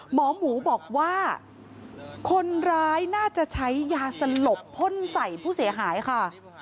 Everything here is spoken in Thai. หมอหมูบอกว่าคนร้ายน่าจะใช้ยาสลบพ่นใส่ผู้เสียหายค่ะ